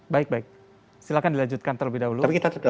baik baik silakan dilanjutkan terlebih dahulu